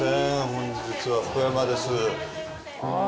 本日は福山ですああ